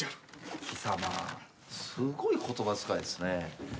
すごい言葉遣いですね。